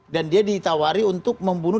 dan dia ditawari untuk membunuh